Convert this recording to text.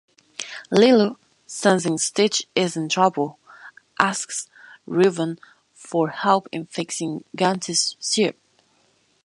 Lilo, sensing Stitch is in trouble, asks Reuben for help in fixing Gantu's ship.